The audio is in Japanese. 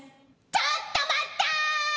・ちょっと待った！